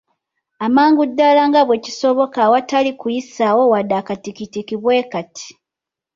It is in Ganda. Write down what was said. Amangu ddala nga bwe kisoboka awatali kuyisaawo wadde akatikitiki bwe kati.